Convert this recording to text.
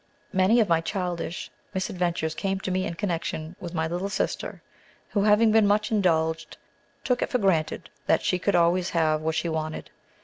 Many of my childish misadventures came to me in connection with my little sister, who, having been much indulged, too it for granted that she could always have what she wanted.